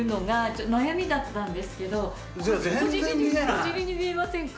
小尻に見えませんか？